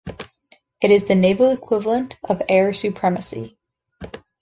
It is the naval equivalent of air supremacy.